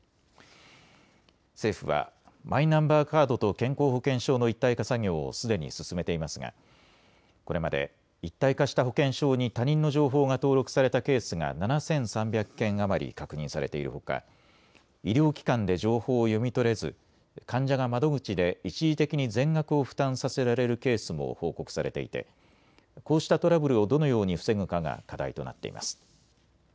政府はマイナンバーカードと健康保険証の一体化作業をすでに進めていますが、これまで一体化した保険証に他人の情報が登録されたケースが７３００件余り確認されているほか医療機関で情報を読み取れず患者が窓口で一時的に全額を負担させられるケースも報告されていてこうしたトラブルをどのように防ぐかが課題となっています。